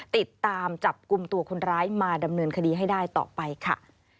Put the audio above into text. ติดตามจับกลุ่มตัวคนร้ายมาดำเนินคดีให้ได้ต่อไปค่ะ